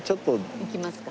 行きますか。